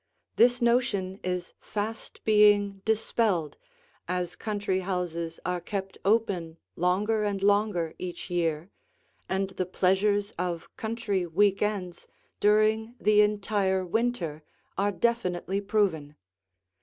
This notion is fast being dispelled, as country houses are kept open longer and longer each year, and the pleasures of country week ends during the entire winter are definitely proven.